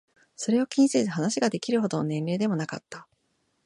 それを気にせず話ができるほどの年齢でもなかった。